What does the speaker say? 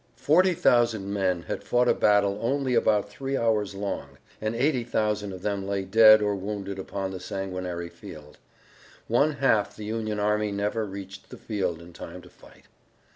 Forty thousand men had fought a battle only about three hours long, and eight thousand of them lay dead or wounded upon the sanguinary field. One half the Union army never reached the field in time to fight.